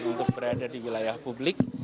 untuk berada di wilayah publik